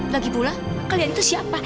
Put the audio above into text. lagi pula kalian itu siapa